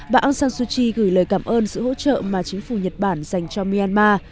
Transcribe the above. bà aung san suu kyi gửi lời cảm ơn sự hỗ trợ mà chính phủ nhật bản dành cho myanmar